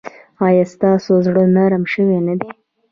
ایا ستاسو زړه نرم شوی نه دی؟